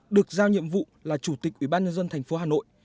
được giao nhiệm vụ là chủ tịch ủy ban nhân dân thành phố hà nội